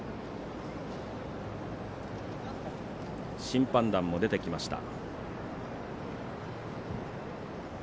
審判団も出てきました。